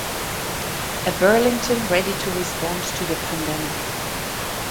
A Burlington ready to respond to the pandemic.